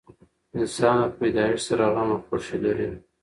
انسان له پیدایښت سره غم او خوښي لري.